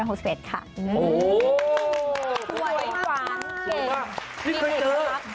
โอ้โหสวยมากสวยมาก